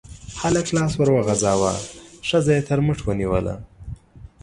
هلک لاس ور وغزاوه، ښځه يې تر مټ ونيوله.